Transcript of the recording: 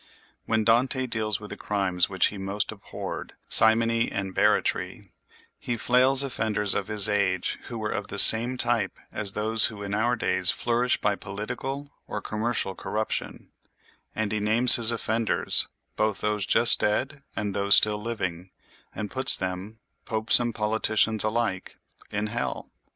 When Dante deals with the crimes which he most abhorred, simony and barratry, he flails offenders of his age who were of the same type as those who in our days flourish by political or commercial corruption; and he names his offenders, both those just dead and those still living, and puts them, popes and politicians alike, in hell.